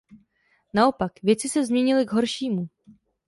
Naopak, věci se změnily k horšímu.